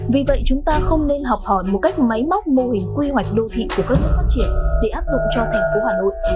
vì vậy chúng ta không nên học hỏi một cách máy móc mô hình quy hoạch đô thị của các nước phát triển để áp dụng cho thành phố hà nội